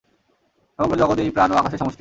সমগ্র জগৎ এই প্রাণ ও আকাশের সমষ্টি।